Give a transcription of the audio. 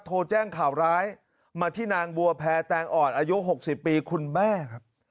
โทรแจ้งข่าวร้ายมาที่นางบัวแพรแตงอ่อนอายุ๖๐ปีคุณแม่ครับ